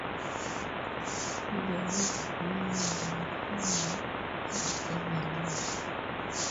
haujaingia kaburini nyumbani kwao alikozaliwa